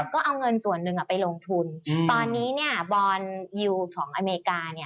ก็เอาเงินส่วนหนึ่งไปลงทุนตอนนี้บอร์นยิวของอเมริกา